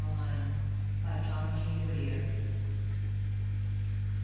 BY JOHN G. WHITTIER.